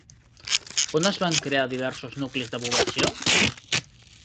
On es van crear diversos nuclis de població?